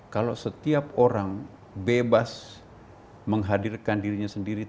kalau setiap orang bebas menghadirkan dirinya sendiri